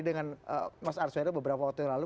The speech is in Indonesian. dengan mas arswero beberapa waktu yang lalu